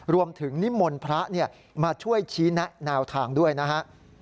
นิมนต์พระมาช่วยชี้แนะแนวทางด้วยนะฮะ